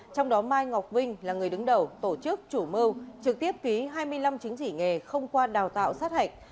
trong đó mai ngọc vinh là người đứng đầu tổ chức chủ mưu trực tiếp ký hai mươi năm chứng chỉ nghề không qua đào tạo sát hạch